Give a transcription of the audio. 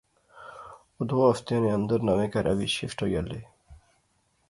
اوہ دو ہفتیاں نے اندر نویں کہراچ شفٹ ہوئی الے